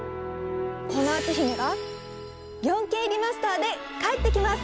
この篤姫が４Ｋリマスターで帰ってきます！